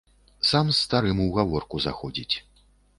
Сам з старым у гаворку заходзіць.